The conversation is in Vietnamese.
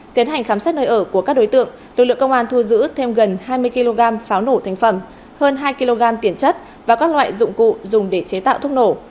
tiến hành khám xét nơi ở của các đối tượng lực lượng công an thu giữ thêm gần hai mươi kg pháo nổ thành phẩm hơn hai kg tiền chất và các loại dụng cụ dùng để chế tạo thúc nổ